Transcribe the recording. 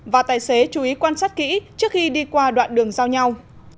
và tài xế chú ý quan sát kỹ trước khi đi qua đoạn đường giao nhau